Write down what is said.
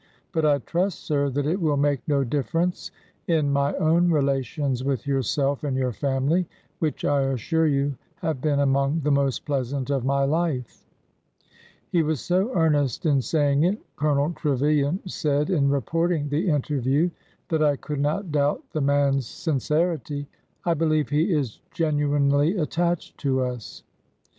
... But I trust, sir, that it will make no difference in my own relations with yourself and your family,— which, I assure you, have been among the most pleasant of my life." He was so earnest in saying it," Colonel Trevilian said in reporting the interview, '' that I could not doubt the man's sincerity. I believe he is genuinely attached to us."